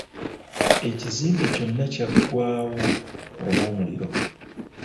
Ekizimbe kyonna kya ggwawo olw'omuliro.